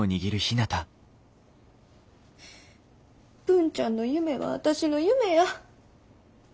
文ちゃんの夢は私の夢や。